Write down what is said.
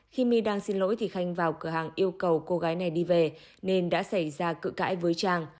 khi my đang xin lỗi thì khanh vào cửa hàng yêu cầu cô gái này đi về nên đã xảy ra cự cãi với trang